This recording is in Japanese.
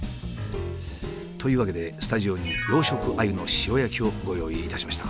というわけでスタジオに養殖アユの塩焼きをご用意いたしました。